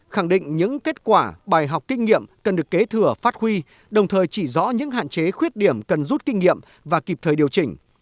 khẳng định những kết quả bài học kinh nghiệm cần được kế thừa phát huy đồng thời chỉ rõ những hạn chế khuyết điểm cần rút kinh nghiệm và kịp thời điều chỉnh